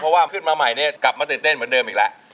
เพราะว่าขึ้นมาใหม่เนี่ยกลับมาตื่นเต้นเหมือนเดิมอีกแล้ว